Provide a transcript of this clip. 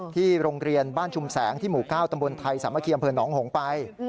ที่โรงเรียนบ้านชุ่มแสงที่หมู่๙ตำบวนไทยสาม่าเคี่ยงอำเพิร์นหลองโหงไป